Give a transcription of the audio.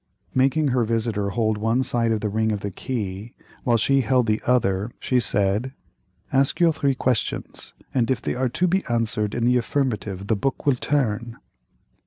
Making her visitor hold one side of the ring of the key, while she held the other, she said: "Ask your three questions, and if they are to be answered in the affirmative the book will turn."